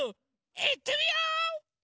いってみよう！